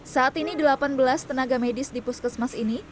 saat ini delapan belas tenaga medis di puskesmas ini